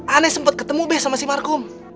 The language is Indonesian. aneh sempet ketemu be sama si markum